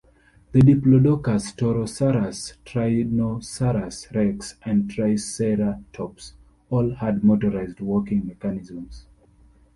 The "Diplodocus", Torosaurus, "Tyrannosaurus Rex", and "Triceratops" all had motorized walking mechanisms.